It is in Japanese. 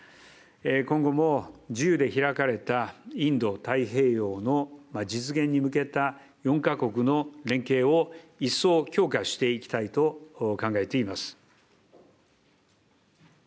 今後も自由で開かれたインド太平洋の実現に向けた４か国の連携を一層強化していきたいと考えています。